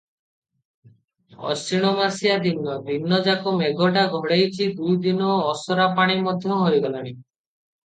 ଅଶିଣମାସିଆ ଦିନ, ଦିନ ଯାକ ମେଘଟା ଘୋଡେଇଛି, ଦୁଇ ଦିନ ଅସରା ପାଣି ମଧ୍ୟ ହୋଇଗଲାଣି ।